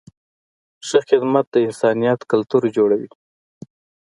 ښه خدمت د انسانیت کلتور جوړوي.